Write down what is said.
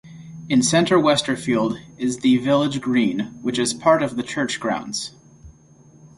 In central Westerfield is the village green, which is part of the church grounds.